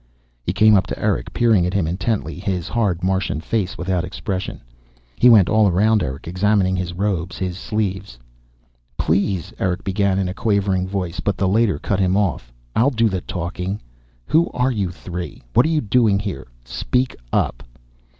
He came up to Erick, peering at him intently, his hard Martian face without expression. He went all around Erick, examining his robes, his sleeves. "Please " Erick began in a quavering voice, but the Leiter cut him off. "I'll do the talking. Who are you three? What are you doing here? Speak up."